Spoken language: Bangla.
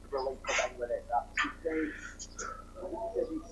সৃষ্টির অর্থ মুক্তির অবস্থায় পুনর্বার ফিরিয়া যাইবার জন্য সংগ্রাম।